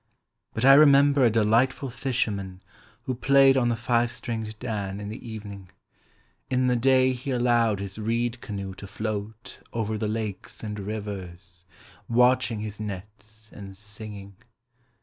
But I remember a delightful fisherman Who played on the five stringed dan in the evening. In the day he allowed his reed canoe to float Over the lakes and rivers, Watching his nets and singing.